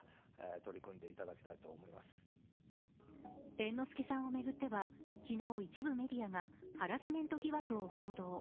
猿之助さんを巡っては昨日一部メディアがハラスメント疑惑を報道。